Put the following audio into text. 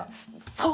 そう！